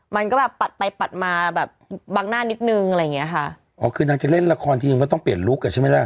มันก็แบบปัดไปปัดมาแบบบังหน้านิดนึงอะไรอย่างเงี้ยค่ะอ๋อคือนางจะเล่นละครทีนึงก็ต้องเปลี่ยนลุคอ่ะใช่ไหมล่ะ